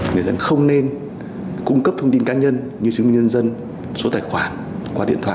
người dân không nên cung cấp thông tin cá nhân như chứng minh nhân dân số tài khoản qua điện thoại